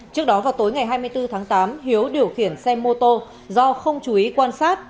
trước đó vào tối ngày hai mươi bốn tháng tám hiếu điều khiển xe mô tô do không chú ý quan sát